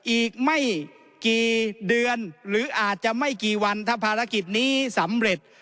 อีกไม่กี่เดือนหรืออาจจะไม่กี่วันถ้าภารกิจนี้สำเร็จ